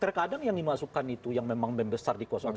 terkadang yang dimasukkan itu yang memang membesar di satu